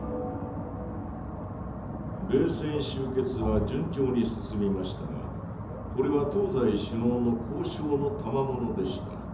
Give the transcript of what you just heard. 冷戦終結は順調に進みましたがこれは東西首脳の「交渉」のたまものでした。